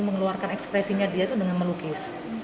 dia mengeluarkan ekspresinya dengan melukis